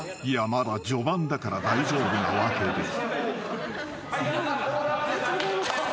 まだ序盤だから大丈夫なわけで］